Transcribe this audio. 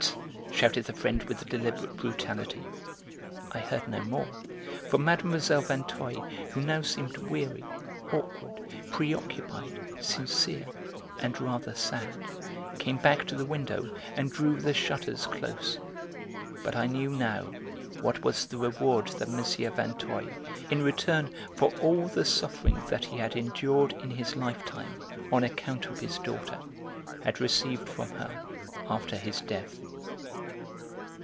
shouted the friend with deliberate brutality. I heard no more, for Mlle. Vinteuil, who now seemed weary, awkward, preoccupied, sincere, and rather sad, came back to the window and drew the shutters close; but I knew now what was the reward that M. Vinteuil, in return for all the suffering that he had endured in his lifetime, on account of his daughter, had received from her after his death.